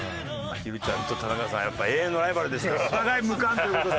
ひるちゃんと田中さんはやっぱり永遠のライバルですからお互い無冠という事で。